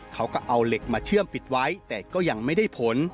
เขาก็เอาเหล็กมาเชื่อมปิดไว้แต่ก็ยังไม่ได้ผล